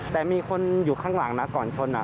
แต่มีคนอยู่ข้างหลังนะก่อนชน